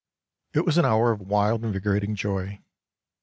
It was an hour of wild invigorating joy.